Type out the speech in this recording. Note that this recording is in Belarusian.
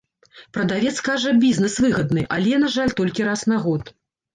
Прадавец кажа, бізнес выгадны, але, на жаль, толькі раз на год.